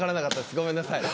ごめんなさい。